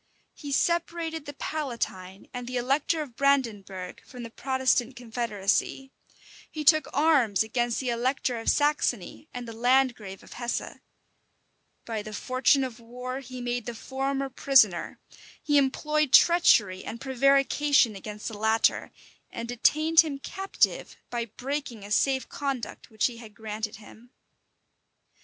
He separated the Palatine and the elector of Brandenburgh from the Protestant confederacy: he took arms against the elector of Saxony and the landgrave of Hesse: by the fortune of war he made the former prisoner: he employed treachery and prevarication against the latter, and detained him captive, by breaking a safe conduct which he had granted him.